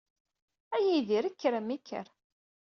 A Yidir! Kker a mmi, kker!